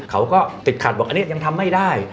เขาก็ติดขัดบอกอันนี้ยังทำไม่ได้